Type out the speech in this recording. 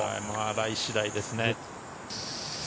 ライ次第ですね。